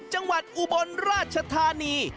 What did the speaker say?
จังหวัดอุบลราชธานี